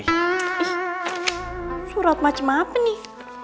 ih surat macem apa nih